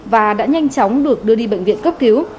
và đã nhanh chóng được đưa đi bệnh viện cấp cứu